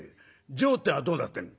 上ってのはどうなってんだ？」。